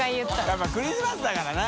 やっぱクリスマスだからね。